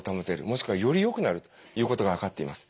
もしくはよりよくなるということが分かっています。